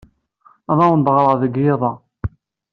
Ad awen-d-ɣreɣ deg yiḍ-a.